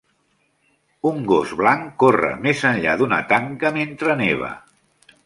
Un gos blanc corre més enllà d'una tanca mentre neva.